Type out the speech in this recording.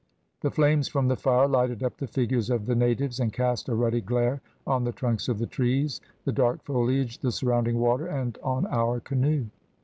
The flames from the fire lighted up the figures of the natives, and cast a ruddy glare on the trunks of the trees, the dark foliage, the surrounding water, and on our canoe.